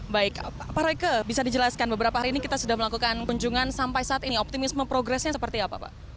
baik pak royke bisa dijelaskan beberapa hari ini kita sudah melakukan kunjungan sampai saat ini optimisme progresnya seperti apa pak